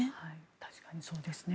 確かにそうですね。